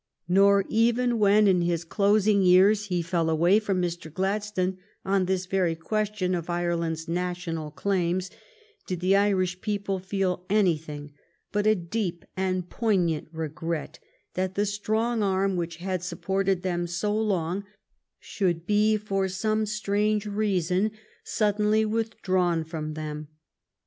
Nor even when, in his closing years, he fell away from Mr. Gladstone on this very question of Ireland's national claims, did the Irish people feel any thing but a deep and poignant regret that the strong arm which had supported them so long should be for some strange reason suddenly with drawn from them.